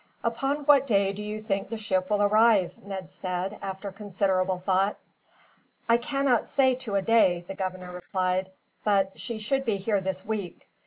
"Upon what day do you think the ship will arrive?" Ned said, after considerable thought. "I cannot say to a day," the governor replied; "but she should be here this week.